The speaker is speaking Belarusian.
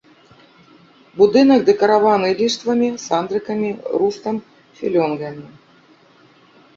Будынак дэкараваны ліштвамі, сандрыкамі, рустам, філёнгамі.